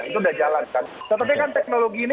itu sudah jalankan tetapi kan teknologi ini